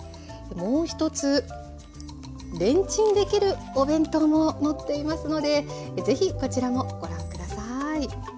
もう一つレンチンできるお弁当も載っていますので是非こちらもご覧下さい。